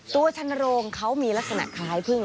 ชันโรงเขามีลักษณะคล้ายพึ่ง